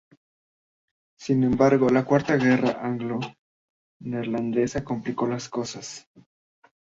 Sin embargo, la cuarta guerra anglo-neerlandesa complicó las cosas.